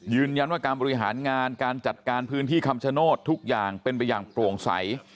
ยืนยันว่าการบริหารงานการจัดการพื้นที่คำชโนธทุกอย่างเป็นไปอย่างโปร่งใส